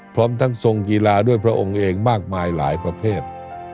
พร้อมทั้งทรงกีฬาด้วยพระองค์เองมากมายหลายประเภท